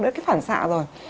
đấy là cái phản xạ rồi